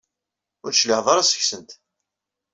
Ur d-tecliɛeḍ ara seg-sent.